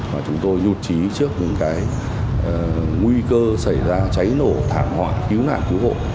mà chúng tôi nhụt trí trước những nguy cơ xảy ra cháy nổ thảm họa cứu nạn cứu hộ